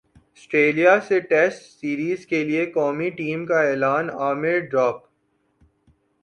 سٹریلیا سے test series کیلئے قومی ٹیم کا اعلان عامر ڈراپ